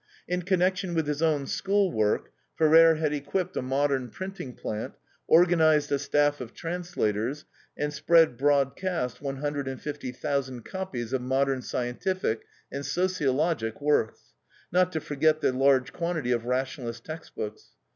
In connection with his own school work, Ferrer had equipped a modern printing plant, organized a staff of translators, and spread broadcast one hundred and fifty thousand copies of modern scientific and sociologic works, not to forget the large quantity of rationalist text books.